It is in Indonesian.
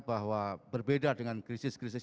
bahwa berbeda dengan krisis krisis